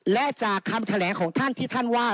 และจากคำแถลงของท่านที่ท่านว่า